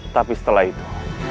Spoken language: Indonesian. tapi setelah itu